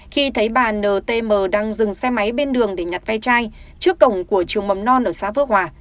khi thấy bà ntm đang dừng xe máy bên đường để nhặt ve chai trước cổng của trường mầm non ở xã phước hòa